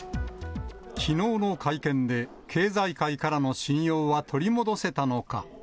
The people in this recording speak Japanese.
きのうの会見で、経済界からの信用は取り戻せたのか。